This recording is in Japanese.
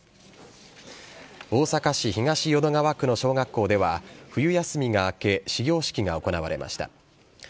大阪市東淀川区の小学校では、冬休みが明け、始業式が行われました。